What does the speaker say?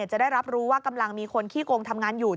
จะได้รับรู้ว่ากำลังมีคนขี้โกงทำงานอยู่